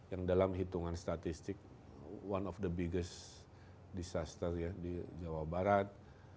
yang dalam hitungan statistik one of the biggest disaster ya di jawa barat